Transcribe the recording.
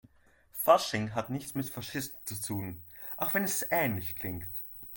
Fasching hat nichts mit Faschisten zu tun, auch wenn es ähnlich klingt.